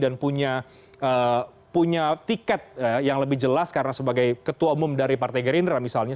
dan punya tiket yang lebih jelas karena sebagai ketua umum dari partai gerindra misalnya